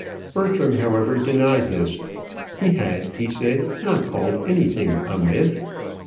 Bertram however denied this. He had, he said, not called anything a myth.